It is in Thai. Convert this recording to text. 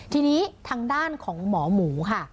ทีนี้ทางด้านของหมอหมูค่ะ